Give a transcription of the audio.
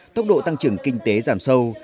tốc độ tăng trưởng kinh tế giảm sâu